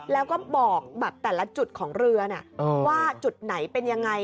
แล้วก็บอกแบบแต่ละจุดของเรือนะว่าจุดไหนเป็นยังไง